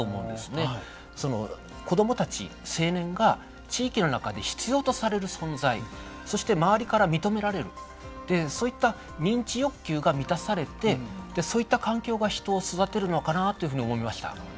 子供たち青年が地域の中で必要とされる存在そして周りから認められるそういった認知欲求が満たされてそういった環境が人を育てるのかなというふうに思いました。